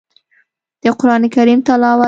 د قران کريم تلاوت